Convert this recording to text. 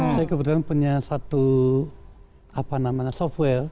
saya kebetulan punya satu software